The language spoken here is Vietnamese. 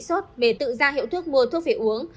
sau tiêm thấy bị sốt bề tự ra hiệu thuốc mua thuốc phải uống